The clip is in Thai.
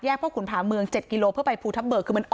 พ่อขุนผาเมือง๗กิโลเพื่อไปภูทับเบิกคือมัน